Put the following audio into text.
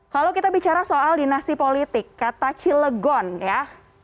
kalau kita bicara soal dinasti politik kata cilegon ya